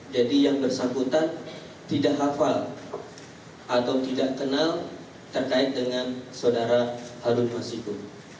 jadi yang bersangkutan tidak hafal atau tidak kenal terkait dengan saudara harum masiku